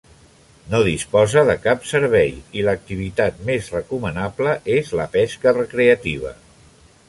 No disposa de cap servei i l'activitat més recomanable és la pesca recreativa.